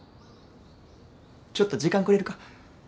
ちょっと時間くれるか。